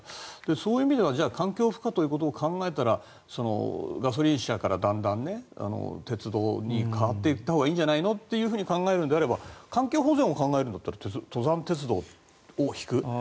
そういう意味では環境負荷ということを考えたらガソリン車からだんだん鉄道に変わっていったほうがいいんじゃないのと考えるのであれば環境保全を考えるんだったら登山鉄道を引く。